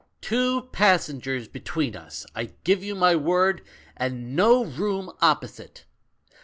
"Two passengers between us, I give you my word, and no room opposite.